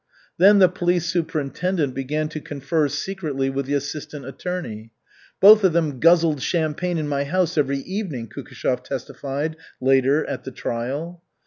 Then the police superintendent began to confer secretly with the assistant attorney. ("Both of them guzzled champagne in my house every evening," Kukishev testified later at the trial.)